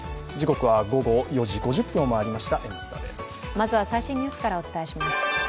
まずは、最新ニュースからお伝えします。